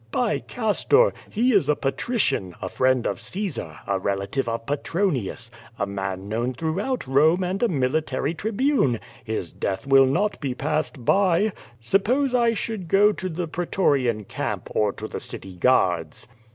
By Castor! He is a patrician, a friend of Caesar, a relative of Petronius^ a man known throughout Uunie, and a military Tribune. His death will not be passed by. Suppose I should go to the pretorian camp, or to the city guards?"